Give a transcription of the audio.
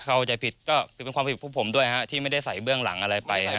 เข้าใจผิดก็คือเป็นความผิดพวกผมด้วยที่ไม่ได้ใส่เบื้องหลังอะไรไป